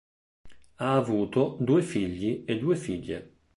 Ha avuto due figli e due figlie.